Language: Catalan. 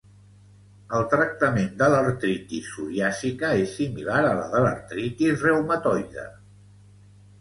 El tractament de l'artritis psoriàsica és similar a la de l'artritis reumatoide.